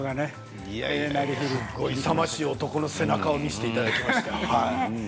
勇ましい男の背中を見せていただきました。